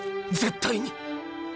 絶対に。